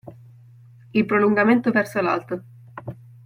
Il prolungamento verso l'alto.